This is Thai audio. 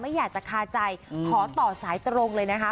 อยากจะคาใจขอต่อสายตรงเลยนะคะ